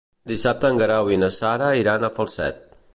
Dissabte en Guerau i na Sara iran a Falset.